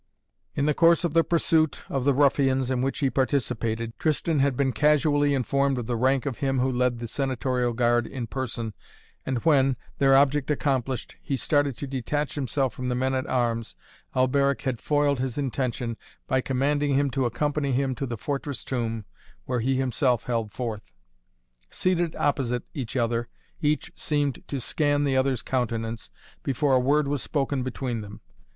In the course of the pursuit of the ruffians in which he participated, Tristan had been casually informed of the rank of him who led the Senatorial guard in person and when, their object accomplished, he started to detach himself from the men at arms, Alberic had foiled his intention by commanding him to accompany him to the fortress tomb where he himself held forth. Seated opposite each other, each seemed to scan the other's countenance before a word was spoken between them.